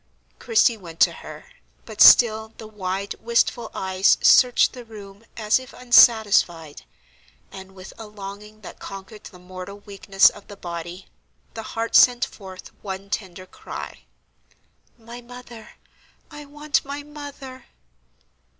Christie went to her, but still the wide, wistful eyes searched the room as if unsatisfied; and, with a longing that conquered the mortal weakness of the body, the heart sent forth one tender cry: "My mother—I want my mother!"